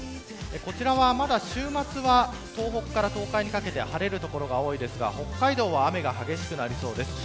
こちらはまだ週末は、東北から東海にかけて晴れる所が多いですが北海道は雨が激しくなりそうです。